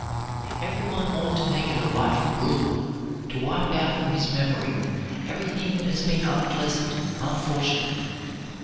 Every one ought to make it a life rule to wipe out from his memory everything that has been unpleasant, unfortunate.